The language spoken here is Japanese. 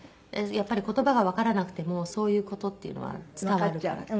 やっぱり言葉がわからなくてもそういう事っていうのは伝わるからって。